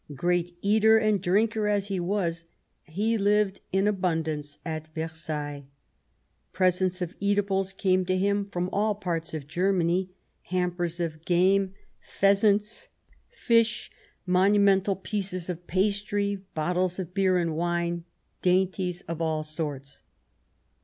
Great eater and drinker as he was, he lived in abundance at Versailles. Presents of eatables came to him from all parts of Germany — hampers of game, pheasants, 141 Bismarck fish, monumental pieces of pastry, bottles of beer and wine, dainties of all sorts.